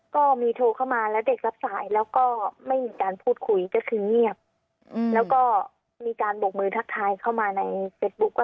ก็มีโทรเข้ามาแล้วเด็กรับสายแล้วก็ไม่มีการพูดคุยก็คือเงียบแล้วก็มีการบกมือทักทายเข้ามาในเฟซบุ๊คว่า